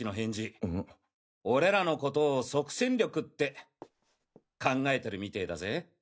俺らのことを即戦力って考えてるみてだぜ？